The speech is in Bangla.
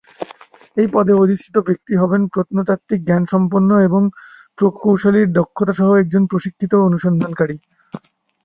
এই পদে অধিষ্ঠিত ব্যক্তি হবেন প্রত্নতাত্ত্বিক জ্ঞানসম্পন্ন এবং প্রকৌশলীর দক্ষতাসহ একজন প্রশিক্ষিত অনুসন্ধানকারী।